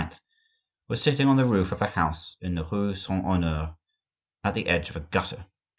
were sitting on the roof of a house in the rue Saint Honore, at the edge of a gutter.